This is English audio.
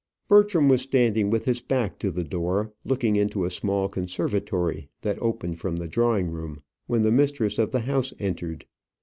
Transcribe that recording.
Bertram was standing with his back to the door, looking into a small conservatory that opened from the drawing room, when the mistress of the house entered.